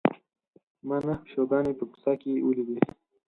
ما نهه پیشوګانې په کوڅه کې ولیدې.